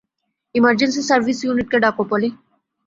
Emergency service ইউনিটকে ডাকো, পলি।